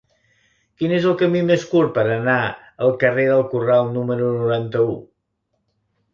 Quin és el camí més curt per anar al carrer del Corral número noranta-u?